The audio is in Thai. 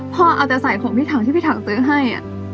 พ่อเอาแต่ใส่ของพี่ถังที่พี่ถังซื้อให้